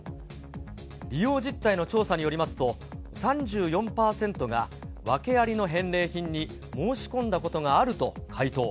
利用実態の調査によりますと、３４％が訳ありの返礼品に申し込んだことがあると回答。